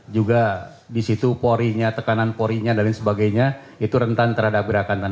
juga di situ porinya tekanan porinya dan lain sebagainya itu rentan terhadap gerakan tanah